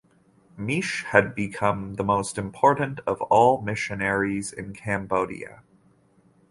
Miche had become the most important of all missionaries in Cambodia.